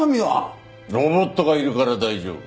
ロボットがいるから大丈夫。